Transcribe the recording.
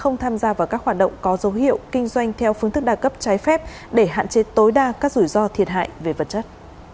không tham gia vào các hoạt động có dấu hiệu kinh doanh theo phương thức đa cấp trái phép để hạn chế tối đa các rủi ro thiệt hại về vật chất